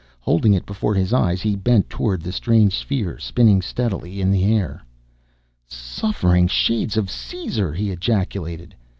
Holding it before his eyes, he bent toward the strange sphere spinning steadily in the air. "Suffering shades of Caesar!" he ejaculated.